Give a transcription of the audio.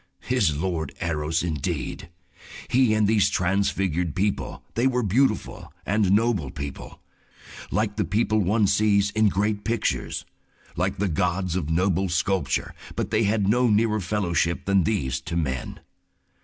His Lord Eros indeed! He and these transfigured people—they were beautiful and noble people, like the people one sees in great pictures, like the gods of noble sculpture, but they had no nearer fellowship than these to men.